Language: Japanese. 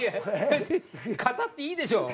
語っていいでしょ。